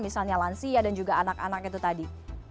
misalnya lansia dan juga anak anak itu tadi